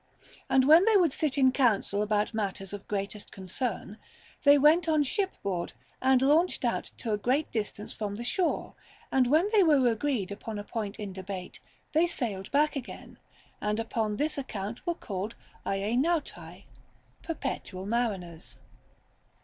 And when they would sit in council about matters of greatest concern, they went on ship board and launched out to a great distance from the shore ; and when they were agreed upon a point in debate, they sailed back again, and upon this account were called άεινανται (perpet ual mariners).